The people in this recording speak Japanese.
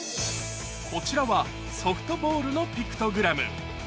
こちらはソフトボールのピクトグラム